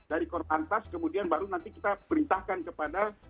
dari korlantas kemudian baru nanti kita perintahkan kepada